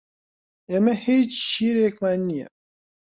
ئێمە هیچ شیرێکمان نییە.